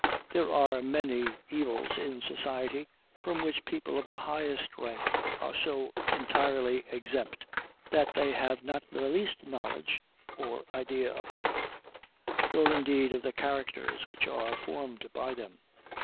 There are many evils in society from which people of the highest rank are so entirely exempt, that they have not the least knowledge or idea of them; nor indeed of the characters which are formed by them.